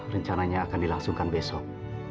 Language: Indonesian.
rencananya akan dilangsungkan besok